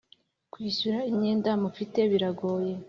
kwishyura imyenda mufite biragoye